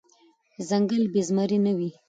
ځنګل بی زمري نه وي .